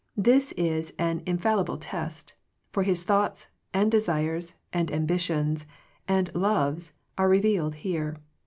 This is an in fallible test; for his thoughts, and desires, and ambitions, and loves are revealed here.